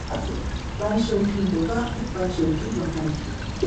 Bay of Plenty won and held the Shield for the first two years.